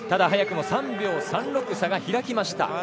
早くも３秒３６差が開きました。